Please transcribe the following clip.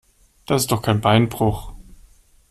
Das ist doch kein Beinbruch.